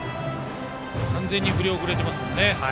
完全に振り遅れていますね。